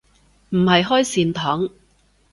唔係開善堂